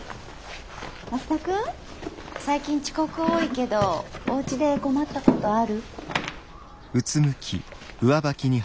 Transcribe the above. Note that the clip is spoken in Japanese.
松田君最近遅刻多いけどおうちで困ったことある？